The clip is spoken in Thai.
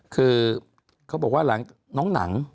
คือเขาบอกว่าหลังน้องหนัง